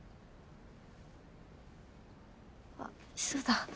あっそうだ。